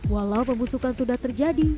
walau pembusukan sudah terjadi